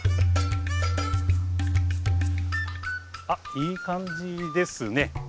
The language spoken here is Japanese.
あっいい感じですね。